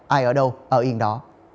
ai ở đâu ở yên đó